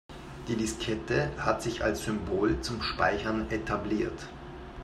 Die Diskette hat sich als Symbol zum Speichern etabliert.